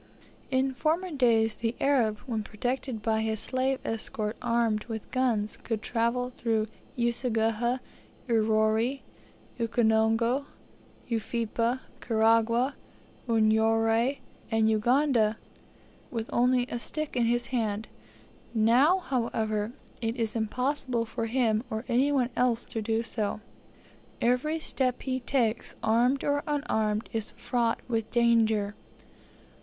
In former days the Arab, when protected by his slave escort, armed with guns, could travel through Useguhha, Urori, Ukonongo, Ufipa, Karagwah, Unyoro, and Uganda, with only a stick in his hand; now, however, it is impossible for him or any one else to do so. Every step he takes, armed or unarmed, is fraught with danger.